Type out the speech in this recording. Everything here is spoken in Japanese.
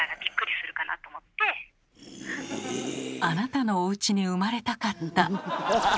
あなたのおうちに生まれたかった。